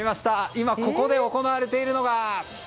今、ここで行われているのが。